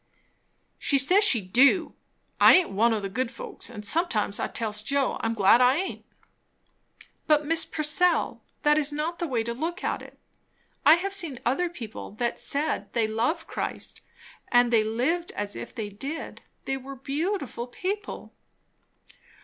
"She says she do. I aint one o' the good folks; and sometimes I tells Joe I'm glad I aint." "But Mrs. Purcell, that is not the way to look at it. I have seen other people that said they loved Christ, and they lived as if they did. They were beautiful people!"